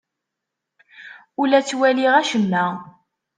Ur la ttwaliɣ acemma.